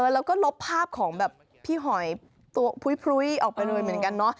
แล้วก็ลบภาพของแบบพี่หอยตัวพรุ้ยออกไปเลยเหมือนกันเนอะ